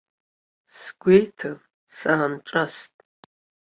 Сгәеиҭан, саанҿаст.